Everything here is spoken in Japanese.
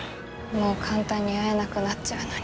もう簡単に会えなくなっちゃうのに。